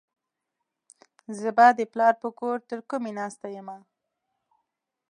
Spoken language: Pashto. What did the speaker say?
زه به د پلار په کور ترکمي ناسته يمه.